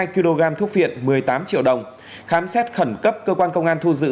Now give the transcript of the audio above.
hai kg thuốc viện một mươi tám triệu đồng khám xét khẩn cấp cơ quan công an thu giữ